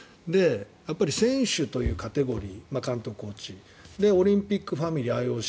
選手というカテゴリー監督、コーチオリンピックファミリーＩＯＣ